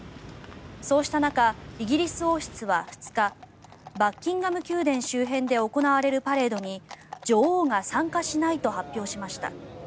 そうした中イギリス王室は２日バッキンガム宮殿周辺で行われるパレードに女王が参加しないと発表しました。